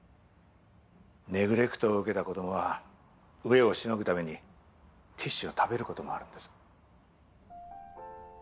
ネグレクトを受けた子供は飢えをしのぐためにティッシュを食べる事もあるんです。